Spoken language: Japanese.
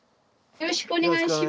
よろしくお願いします。